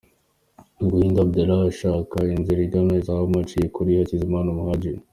Guindo Abdallah ashaka inzira igana izamu aciye kuri Hakizimana Muhadjili.